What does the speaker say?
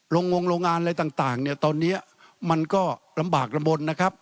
งงโรงงานอะไรต่างเนี่ยตอนนี้มันก็ลำบากลำบลนะครับ